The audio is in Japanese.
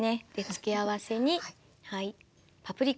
付け合わせにはいパプリカ。